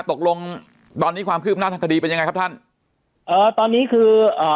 ตกลงตอนนี้ความคืบหน้าทางคดีเป็นยังไงครับท่านเอ่อตอนนี้คืออ่า